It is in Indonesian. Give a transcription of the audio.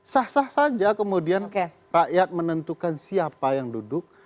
sah sah saja kemudian rakyat menentukan siapa yang duduk